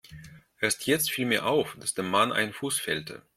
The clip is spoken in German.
Erst jetzt fiel mir auf, dass dem Mann ein Fuß fehlte.